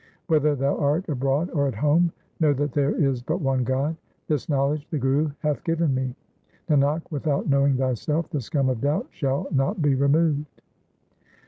Whether thou art abroad or at home, know that there is but one God ; this knowledge the Guru hath given me. Nanak, without knowing thyself the scum of doubt shall not be removed.